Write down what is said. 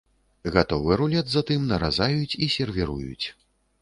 Гатовы рулет затым наразаюць і сервіруюць.